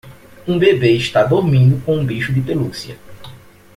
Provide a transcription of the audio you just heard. Um bebê está dormindo com um bicho de pelúcia.